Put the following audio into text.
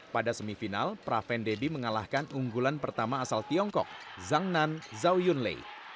pada semifinal praven debbie mengalahkan unggulan pertama asal tiongkok zhang nan zhao yunlei